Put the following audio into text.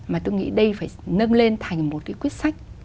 mà tôi nghĩ đây phải nâng lên thành một cái quyết sách